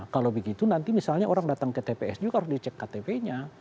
kalau begitu nanti misalnya orang datang ke tps juga harus dicek ktp nya